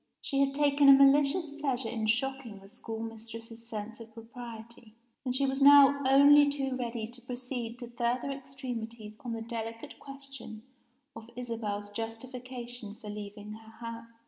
She had taken a malicious pleasure in shocking the schoolmistress's sense of propriety and she was now only too ready to proceed to further extremities on the delicate question of Isabel's justification for leaving her house.